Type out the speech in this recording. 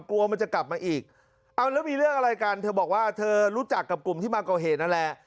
กลัวมันจะกลับมาอีกเอาแล้วมีเรื่องอะไรกันเธอบอกว่าเธอรู้จักกับกลุ่มที่มาก่อเหตุนั่นแหละ